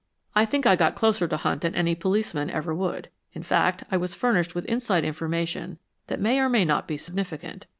I think I got closer to Hunt than any policeman ever would. In fact, I was furnished with inside information that may or may not be significant.